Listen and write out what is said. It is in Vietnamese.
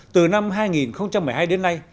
từ năm hai nghìn một mươi hai đến nay